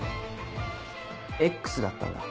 Ｘだったんだ。